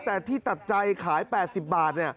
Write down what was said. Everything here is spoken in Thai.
แต่ที่ตัดใจขาย๘๐บาท